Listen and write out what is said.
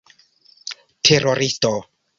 teroristo